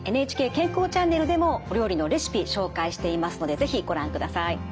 ＮＨＫ健康チャンネルでもお料理のレシピ紹介していますので是非ご覧ください。